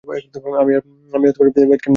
আমি আর এই প্যাচকে সম্মান করতে পারছি না।